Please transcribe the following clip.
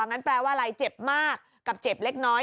งั้นแปลว่าอะไรเจ็บมากกับเจ็บเล็กน้อย